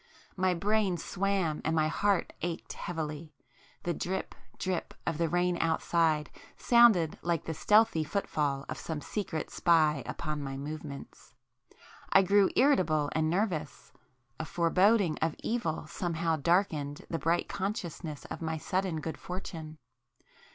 My brain swam and my heart ached heavily,—the drip drip of the rain outside sounded like the stealthy footfall of some secret spy upon my movements. I grew irritable and nervous,—a foreboding of evil somehow darkened the bright consciousness of my sudden good fortune.